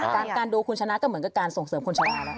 การดูคุณชนะก็เหมือนกับการส่งเสริมคนชนะ